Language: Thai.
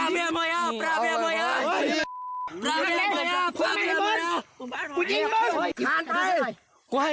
ประเภทประเภทประเภท